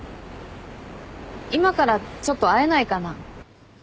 今からちょっと会えないかな？